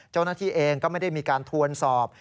เจ้าหน้าที่เองก็ไม่ได้มีการทวนสอบ